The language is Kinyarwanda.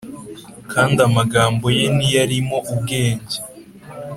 kandi amagambo ye ntiyarimo ubwenge’